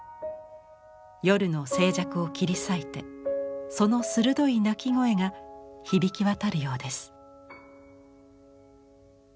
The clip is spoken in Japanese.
夜の静寂を切り裂いてその鋭い鳴き声が響き渡るようです。